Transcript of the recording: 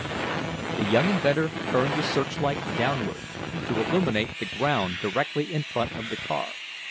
The young inventor turned the searchlight downward, to illuminate the ground directly in front of the car.